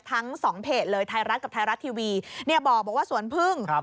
ทั้งสองเพจเลยไทยรัฐกับไทยรัฐทีวีเนี่ยบอกว่าสวนพึ่งครับ